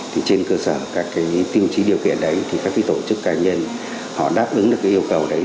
trên cơ sở các tiêu chí điều kiện đấy thì các tổ chức cá nhân họ đáp ứng được yêu cầu đấy